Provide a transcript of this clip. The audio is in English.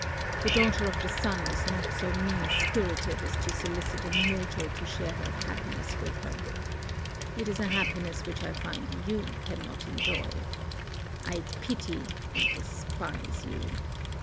The daughter of the sun is not so mean spirited as to solicit a mortal to share her happiness with her. It is a happiness which I find you cannot enjoy. I pity and despise you.